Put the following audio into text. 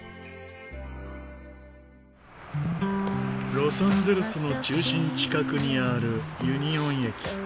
ロサンゼルスの中心近くにあるユニオン駅。